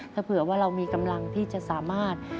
ถ้าเผื่อว่าเรามีกำลังที่จะสามารถ